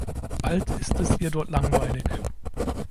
Bald ist es ihr dort langweilig.